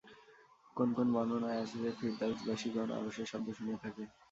কোন কোন বর্ণনায় আছে যে, ফিরদাউসবাসীগণ আরশের শব্দ শুনে থাকে।